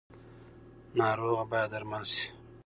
ناروغه باید درمل شي